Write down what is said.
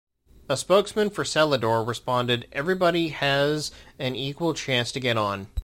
A spokesman for Celador responded Everybody has an equal chance to get on.